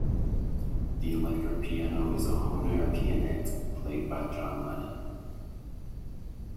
The electric piano is a Hohner Pianet, played by John Lennon.